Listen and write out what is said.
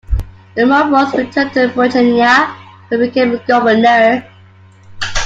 The Monroes returned to Virginia, where he became governor.